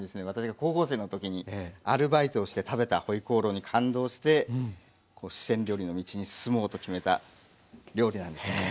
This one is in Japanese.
私が高校生の時にアルバイトをして食べた回鍋肉に感動して四川料理の道に進もうと決めた料理なんです。